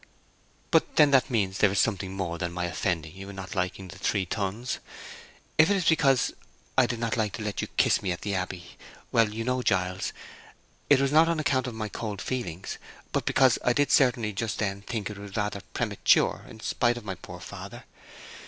"But—then that means that there is something more than my offending you in not liking The Three Tuns. If it is because I—did not like to let you kiss me in the Abbey—well, you know, Giles, that it was not on account of my cold feelings, but because I did certainly, just then, think it was rather premature, in spite of my poor father.